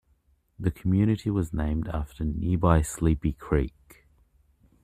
The community was named after nearby Sleepy Creek.